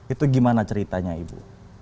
itu gimana ceritanya ibu